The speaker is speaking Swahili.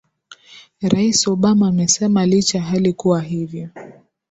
rais obama amesema licha ya hali kuwa hivyo